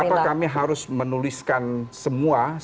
jadi mengapa kami harus menuliskan semua